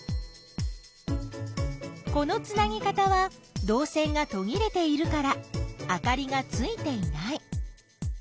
このつなぎ方はどう線がとぎれているからあかりがついていない。